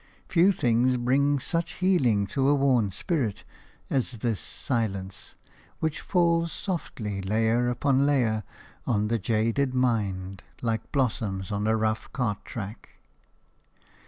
Few things bring such healing to a worn spirit as this silence, which falls softly, layer upon layer, on the jaded mind, like blossom on a rough cart track.